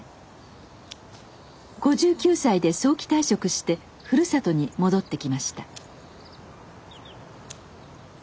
５９歳で早期退職してふるさとに戻ってきました。